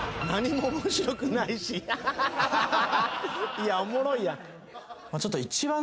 いやおもろいやん。